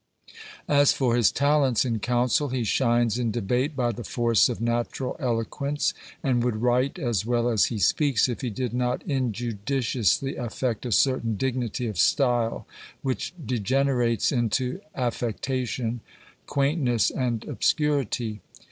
As for his talents in council, he shines in debate by the force of natural eloquence, and would write as well as he speaks, if he did not injudici ously affect a certain dignity of style, which degenerates into affectation, quaint ntss, and obscurity.